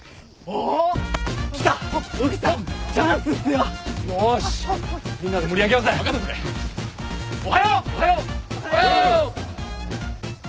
おはよう！